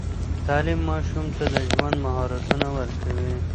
تعليم ماشوم ته د ژوند مهارتونه ورکوي.